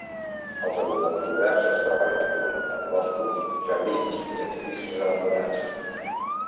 Els abocadors oberts es troben habitualment en boscos, jardins i edificis abandonats.